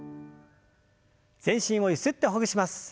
全身をゆすってほぐします。